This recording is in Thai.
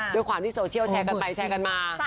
ด้วยความที่โซเชียลแชร์กันไปแชร์กันมา